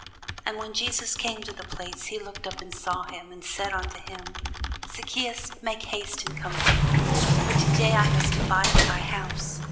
And when Jesus came to the place, he looked up, and saw him, and said unto him, Zacchæus, make haste, and come down; for to day I must abide at thy house.